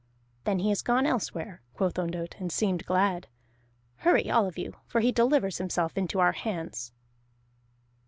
"Then he is gone elsewhere," quoth Ondott, and seemed glad. "Hurry, all of you, for he delivers himself into our hands."